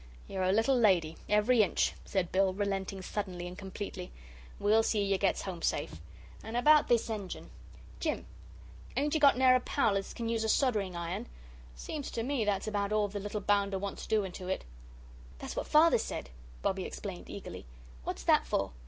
"You're a little lady, every inch," said Bill, relenting suddenly and completely. "We'll see you gets home safe. An' about this engine Jim ain't you got ne'er a pal as can use a soldering iron? Seems to me that's about all the little bounder wants doing to it." "That's what Father said," Bobbie explained eagerly. "What's that for?"